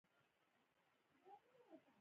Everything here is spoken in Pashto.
احمد ډېر خواریکښ انسان و خلکو په سترگو کړلا.